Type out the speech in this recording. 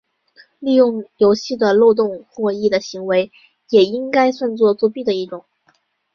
利用游戏的漏洞获益的行为也应该算作作弊的一种。